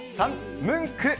３、ムンク。